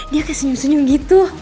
dia kayak senyum senyum gitu